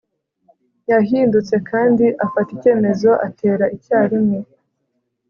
Yahindutse kandi afata icyemezo atera icyarimwe